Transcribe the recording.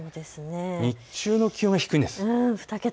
日中の気温が低いんです。